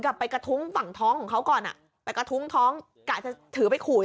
ไปกระทุ้งฝั่งท้องของเขาก่อนอ่ะไปกระทุ้งท้องกะจะถือไปขู่